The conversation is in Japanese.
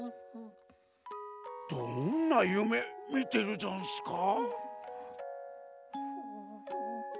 どんなゆめみてるざんすか？